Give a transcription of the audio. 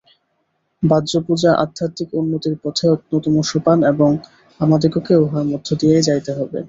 বাহ্যপূজা আধ্যাত্মিক উন্নতির পথে অন্যতম সোপান এবং আমাদিগকে উহার মধ্য দিয়াই যাইতে হইবে।